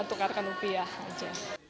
kita tukarkan rupiah aja